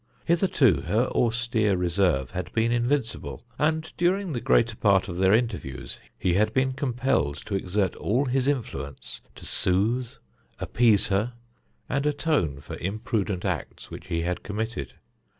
Hitherto her austere reserve had been invincible, and during the greater part of their interviews he had been compelled to exert all his influence to soothe, appease her, and atone for imprudent acts which he had committed.